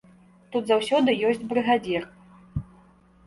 Тут заўсёды ёсць брыгадзір.